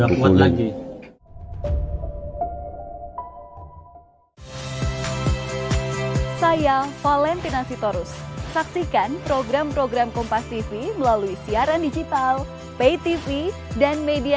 udah nggak kuat lagi